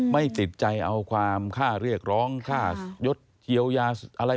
ไม่ติดใจเอาความค่าเรียกร้องค่ายดเยียวยาอะไร